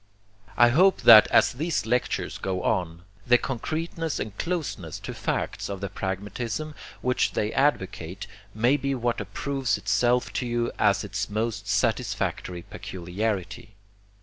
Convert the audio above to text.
I hope that as these lectures go on, the concreteness and closeness to facts of the pragmatism which they advocate may be what approves itself to you as its most satisfactory peculiarity.